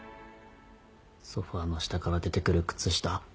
ソファの下から出てくる靴下。